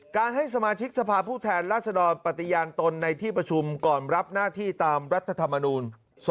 ให้สมาชิกสภาพผู้แทนราษฎรปฏิญาณตนในที่ประชุมก่อนรับหน้าที่ตามรัฐธรรมนูล๒๕๖